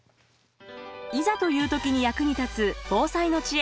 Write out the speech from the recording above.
いざという時に役に立つ防災の知恵。